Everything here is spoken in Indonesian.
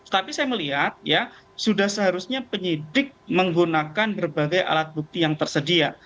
tapi saya melihat ya sudah seharusnya penyidik menggunakan berbagai alat bukti yang tersedia